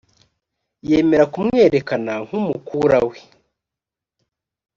yemera kumwerekana nkumukura we .